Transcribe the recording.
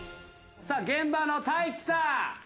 さぁ現場の太一さん。